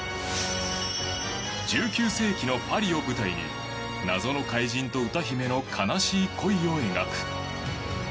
１９世紀のパリを舞台に謎の怪人と歌姫の悲しい恋を描く。